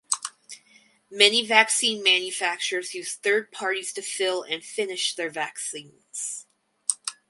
Many vaccine manufacturers use third parties to fill and finish their vaccines.